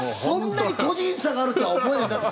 そんなに個人差があるとは思えない。